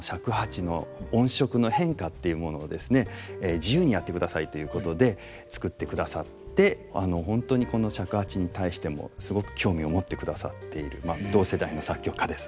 自由にやってくださいということで作ってくださって本当にこの尺八に対してもすごく興味を持ってくださっている同世代の作曲家です。